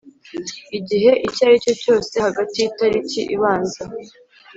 igihe icyo ari cyo cyose hagati y itariki ibanza